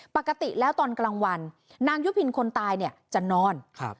ปกติแล้วตอนกลางวันนางยุพินคนตายเนี่ยจะนอน